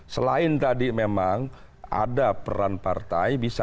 selain tadi memang ada peran partai bisa